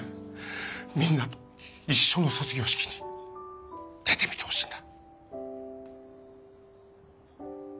みんなと一緒の卒業式に出てみてほしいんだ。